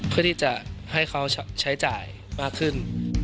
เพื่อที่จะให้เขาใช้จ่ายมากขึ้น